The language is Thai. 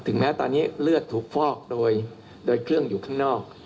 แม้ตอนนี้เลือดถูกฟอกโดยเครื่องอยู่ข้างนอก